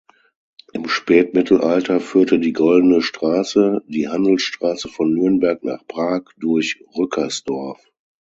Im Spätmittelalter führte die Goldene Straße, die Handelsstraße von Nürnberg nach Prag, durch Rückersdorf.